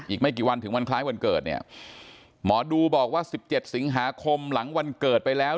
อีกไม่กี่วันถึงวันคล้ายวันเกิดเนี่ยหมอดูบอกว่า๑๗สิงหาคมหลังวันเกิดไปแล้ว